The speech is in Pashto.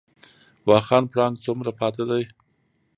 واخان پړانګ څومره پاتې دي؟